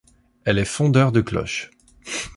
Elle est fondeur de cloches.